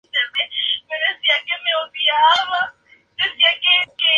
Su padre era un diseñador gráfico y su madre una ama de casa.